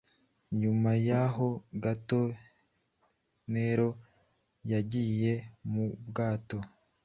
Nyuma y’aho gato, Nero yagiye mu bwato